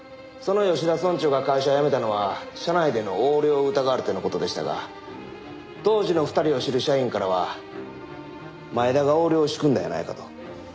その吉田村長が会社を辞めたのは社内での横領を疑われての事でしたが当時の２人を知る社員からは前田が横領を仕組んだんやないかと。